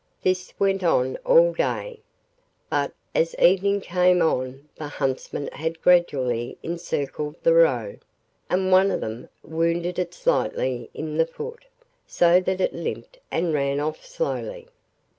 This went on all day, but as evening came on the huntsmen had gradually encircled the Roe, and one of them wounded it slightly in the foot, so that it limped and ran off slowly.